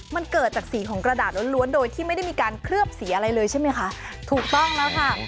มันเกิดจากสีของกระดาษล้วนโดยที่ไม่ได้มีการเคลือบสีอะไรเลยใช่ไหมคะถูกต้องแล้วค่ะ